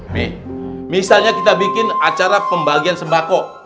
nih misalnya kita bikin acara pembagian sembako